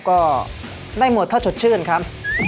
ก็ได้หมวดเท่าชดชื่นครับ